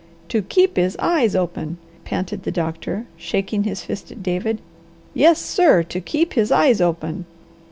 'TO KEEP HIS EYES OPEN!'" panted the doctor, shaking his fist at David. "Yes sir! 'To keep his eyes open!'